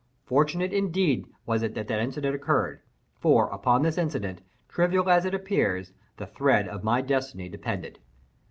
Fortunate, indeed, was it that the incident occurred—for, upon this incident, trivial as it appears, the thread of my destiny depended.